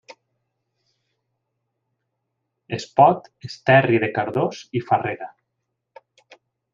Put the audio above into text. Espot, Esterri de Cardós i Farrera.